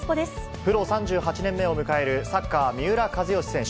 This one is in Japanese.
プロ３８年目を迎えるサッカー、三浦知良選手。